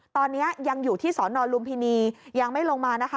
ตอนนี้ยังอยู่ที่สอนอนลุมพินียังไม่ลงมานะคะ